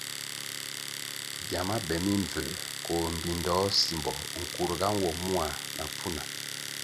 Giama be mimbvuer koh mbpindoh simbo nkurga nwo mua na pfuna.